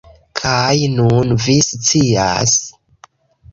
Kaj nun vi scias